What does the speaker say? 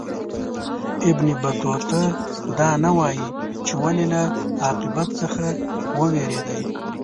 ابن بطوطه دا نه وايي چې ولي له عاقبت څخه ووېرېدی.